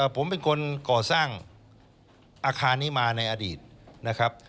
ผมเป็นคนก่อสร้างอาคารนี้มาในอดีตนะครับ